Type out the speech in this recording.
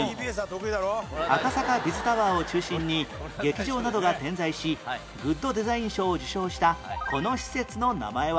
赤坂 Ｂｉｚ タワーを中心に劇場などが点在しグッドデザイン賞を受賞したこの施設の名前は？